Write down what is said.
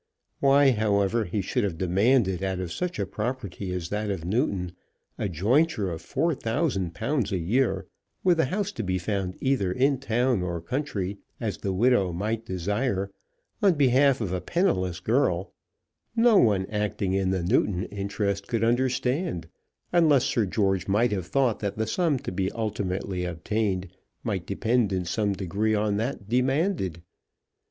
Why, however, he should have demanded out of such a property as that of Newton a jointure of £4,000 a year, with a house to be found either in town or country as the widow might desire, on behalf of a penniless girl, no one acting in the Newton interest could understand, unless Sir George might have thought that the sum to be ultimately obtained might depend in some degree on that demanded.